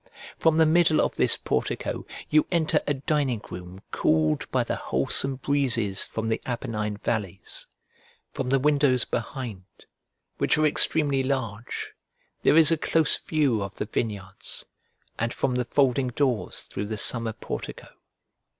From the middle of this portico you enter a dining room cooled by the wholesome breezes from the Apennine valleys: from the windows behind, which are extremely large, there is a close view of the vineyards, and from the folding doors through the summer portico.